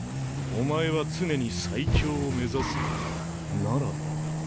おまえは常に最強を目指す者ならば。